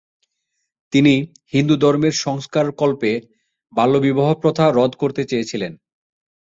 তিনি হিন্দুধর্মের সংস্কার কল্পে বাল্যবিবাহ প্রথা রদ করতে চেয়েছিলেন।